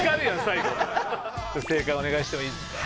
正解お願いしてもいいですか。